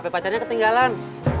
hp pacarnya ketinggalan